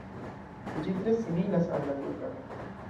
Ĝi tre similas al la turka.